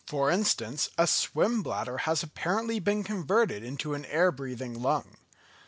For instance, a swim bladder has apparently been converted into an air breathing lung.